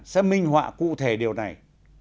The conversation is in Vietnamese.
sẽ minh họa cụ thể điều này